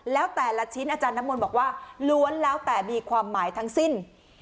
แล้วแต่ละชิ้นอาจารย์น้ำมนต์บอกว่าล้วนแล้วแต่มีความหมายทั้งสิ้น